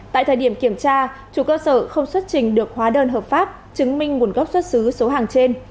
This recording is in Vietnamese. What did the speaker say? tại thời điểm kiểm tra chủ cơ sở không xuất trình được hóa đơn hợp pháp chứng minh nguồn gốc xuất xứ số hàng trên